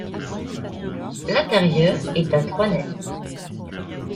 L'intérieur est à trois nefs.